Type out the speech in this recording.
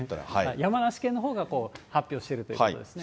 山梨県のほうが発表してるということですね。